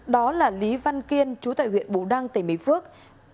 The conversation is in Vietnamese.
đó là lý văn kiên chú tại huyện bù đăng tây mì phước